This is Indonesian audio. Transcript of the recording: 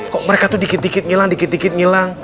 kok mereka tuh dikit dikit ngilang dikit dikit ngilang